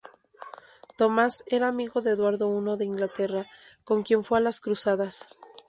Thomas era amigo de Eduardo I de Inglaterra, con quien fue a las cruzadas.